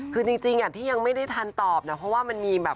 คือจริงที่ยังไม่ได้ทันตอบนะเพราะว่ามันมีแบบ